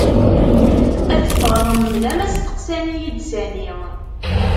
Ad fɣeɣ mebla ma steqsan-iyi-d sani.